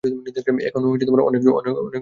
এখন অনেক জলদি হয়ে যাবে।